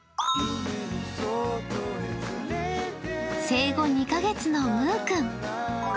生後２カ月のむーくん。